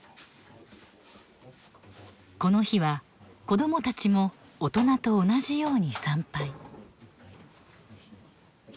この日は子供たちも大人と同じように参拝。